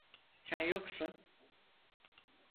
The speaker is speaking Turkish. Sen yoksun.